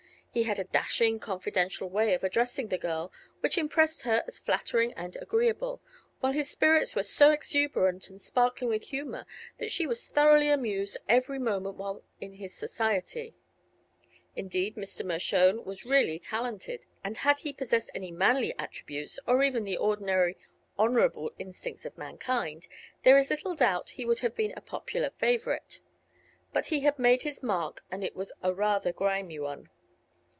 He had a dashing, confidential way of addressing the girl which impressed her as flattering and agreeable, while his spirits were so exuberant and sparkling with humor that she was thoroughly amused every moment while in his society. Indeed, Mr. Mershone was really talented, and had he possessed any manly attributes, or even the ordinary honorable instincts of mankind, there is little doubt he would have been a popular favorite. But he had made his mark, and it was a rather grimy one.